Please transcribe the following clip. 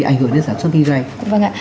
ảnh hưởng đến sản xuất dầu tăng